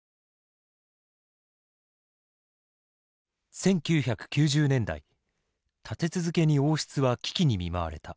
１９９０年代立て続けに王室は危機に見舞われた。